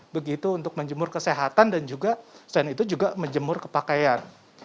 begitu untuk menjemur kesehatan dan juga selain itu juga menjemur kepakaian